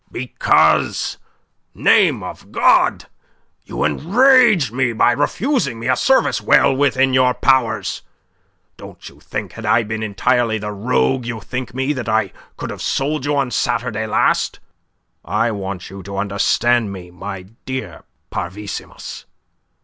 "Because name of God! you enrage me by refusing me a service well within your powers. Don't you think, had I been entirely the rogue you think me, I could have sold you on Saturday last? I want you to understand me, my dear Parvissimus."